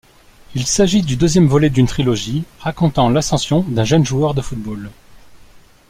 Il s'agit du deuxième volet d'une trilogie racontant l'ascension d'un jeune joueur de football.